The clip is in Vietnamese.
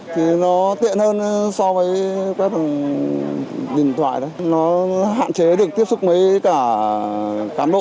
thì nó tiện hơn so với quét bằng điện thoại đấy nó hạn chế được tiếp xúc với cả cán bộ trục chốt với cả nó nhanh